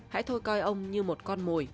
hãy thôi coi ông như một con mùi